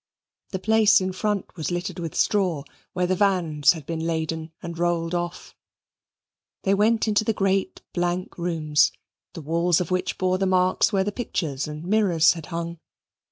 The place in front was littered with straw where the vans had been laden and rolled off. They went into the great blank rooms, the walls of which bore the marks where the pictures and mirrors had hung.